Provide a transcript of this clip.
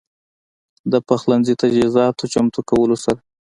د پخلنځي تجهيزاتو چمتو کولو سره